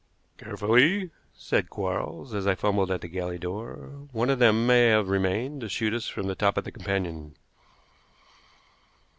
"Carefully!" said Quarles, as I fumbled at the galley door. "One of them may have remained to shoot us from the top of the companion."